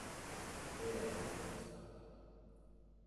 vea qué linda estampa.